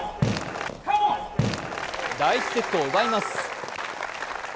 第１セットを奪います。